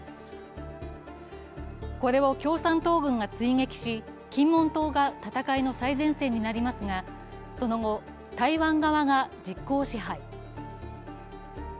これを共産党軍が追撃し、金門島が戦いの最前線になりますがその後、台湾側が実効支配。